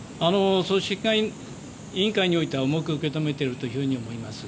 組織委員会においては重く受け止めていると思います。